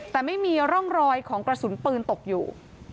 แต่ไม่มีร่องรอยของกระสุนปืนตกอยู่